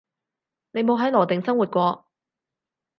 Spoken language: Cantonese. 你冇喺羅定生活過